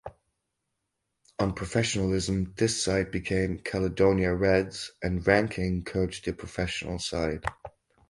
On professionalism this side became Caledonia Reds and Rankin coached the professional side.